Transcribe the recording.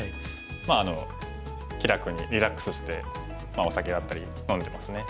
まあ気楽にリラックスしてお酒だったり飲んでますね。